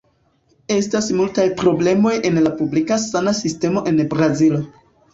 Estas multaj problemoj en la publika sana sistemo en Brazilo.